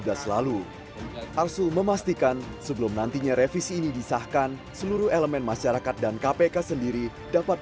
khususnya yang dibalik